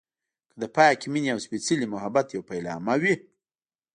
که د پاکې مينې او سپیڅلي محبت يوه پيلامه وي.